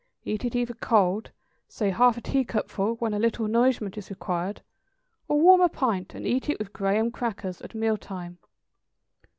Eat it either cold, say half a teacupful when a little nourishment is required; or warm a pint, and eat it with graham crackers at meal time.